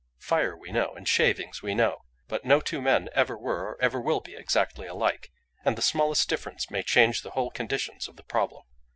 Fire we know, and shavings we know, but no two men ever were or ever will be exactly alike; and the smallest difference may change the whole conditions of the problem.